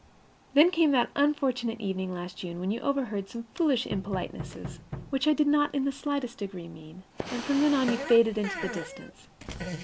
And then came that unfortunate evening last June when you overheard some foolish impolitenesses, which I did not in the slightest degree mean; and from then on you faded into the distance.